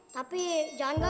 tapi jangan gagal